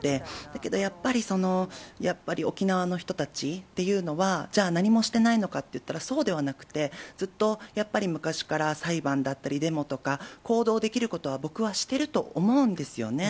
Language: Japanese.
だけどやっぱり沖縄の人たちっていうのは、じゃあ、何もしてないのかといったらそうではなくて、ずっとやっぱり昔から裁判だったり、デモとか、行動できることは、僕はしてると思うんですよね。